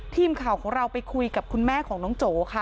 ทีมข่าวของเราไปคุยกับคุณแม่ของน้องโจค่ะ